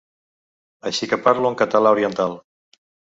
Així que parlo en català oriental.